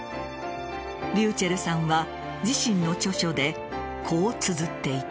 ｒｙｕｃｈｅｌｌさんは自身の著書でこうつづっていた。